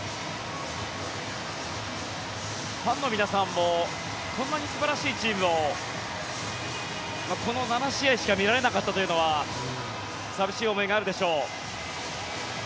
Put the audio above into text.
ファンの皆さんもこんなに素晴らしいチームをこの７試合しか見られなかったというのは寂しい思いがあるでしょう。